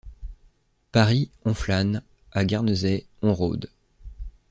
Paris, on flâne, à Guernesey, on rôde.